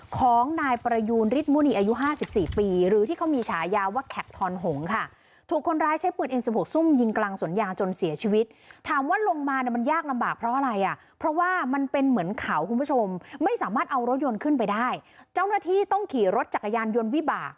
ของนายประยูนฤิษฐ์มูณีอายุ๕๔ปีหรือที่เขามีฉายาวว่าแขกทอนหงค์ค่ะ